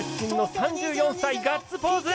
３４歳がガッツポーズ！